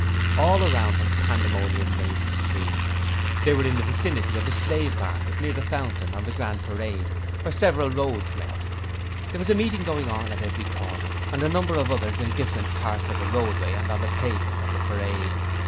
All around them, pandemonium reigned supreme. They were in the vicinity of the Slave Market, near the Fountain, on the Grand Parade, where several roads met; there was a meeting going on at every corner, and a number of others in different parts of the roadway and on the pavement of the Parade.